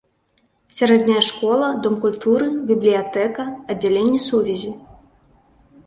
Сярэдняя школа, дом культуры, бібліятэка, аддзяленне сувязі.